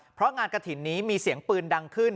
เพราะงานกระถิ่นนี้มีเสียงปืนดังขึ้น